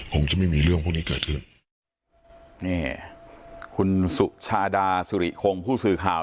คงจะไม่มีเรื่องพวกนี้เกิดขึ้นนี่คุณสุชาดาสุริคงผู้สื่อข่าว